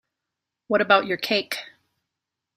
What about your cake?